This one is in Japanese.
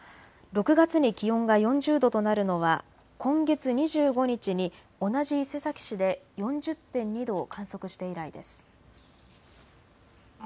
６月に気温が４０度となるのは今月２５日に同じ伊勢崎市で４０．２度を観測して以来です。